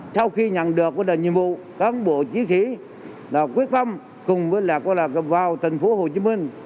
sau khi nhận được nhiệm vụ cán bộ chiến sĩ quyết phong cùng với vào thành phố hồ chí minh